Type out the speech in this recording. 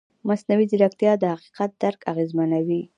مصنوعي ځیرکتیا د حقیقت درک اغېزمنوي.